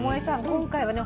今回はね